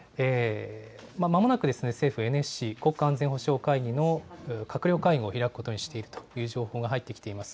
まもなく政府、ＮＳＣ・国家安全保障会議の閣僚会合を開くことにしているという情報が入ってきています。